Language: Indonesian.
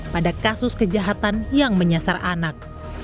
pada kasus kejahatan yang menyasar anak